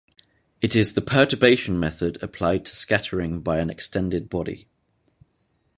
It is the perturbation method applied to scattering by an extended body.